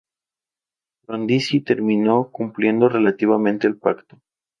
Frondizi terminó cumpliendo relativamente el pacto.